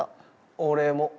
俺も。